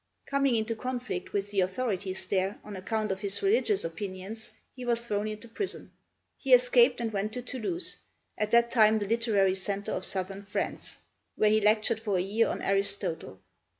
Coming into conflict with the authorities there on account of his religious opinions, he was thrown into prison. He escaped and went to Toulouse, at that time the literary centre of Southern France, where he lectured for a year on Aristotle.